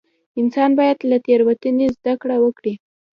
انسان باید له تېروتنې زده کړه وکړي.